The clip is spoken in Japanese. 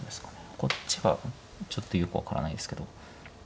こっちがちょっとよく分からないですけど。